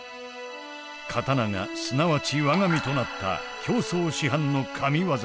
刀がすなわち我が身となった京増師範の神技。